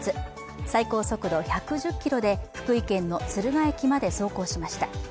最高速度１１０キロで福井県の敦賀駅まで走行しました。